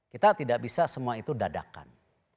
kita tidak bisa semua itu dadakan